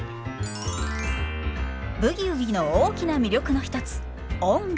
「ブギウギ」の大きな魅力の一つ音楽。